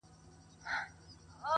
هم راغلي كليوال وه هم ښاريان وه.!